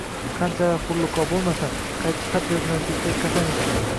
qanchalar xurluqo bo’lmasin, qaytib xat yozmaslikka qasam ichdim.